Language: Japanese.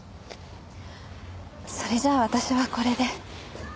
それじゃあ私はこれで。